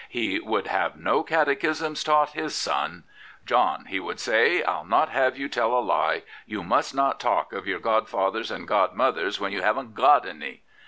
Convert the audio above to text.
He would have no Catechisms taught his son, " John," he would say, " ril not have you tell a lie. You must not talk of your godfathers and godmothers when you haven't got any."